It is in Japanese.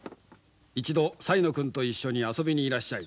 一度才野君と一緒に遊びにいらっしゃい。